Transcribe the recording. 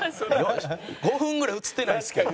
５分ぐらい映ってないんですけど。